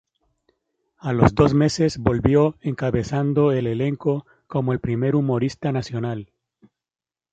A los dos meses volvió encabezando el elenco como el primer humorista nacional.